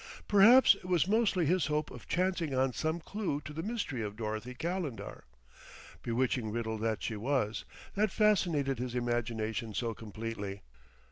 Perhaps it was mostly his hope of chancing on some clue to the mystery of Dorothy Calender bewitching riddle that she was! that fascinated his imagination so completely.